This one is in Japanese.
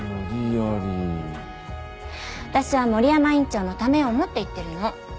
私は森山院長のためを思って言ってるの。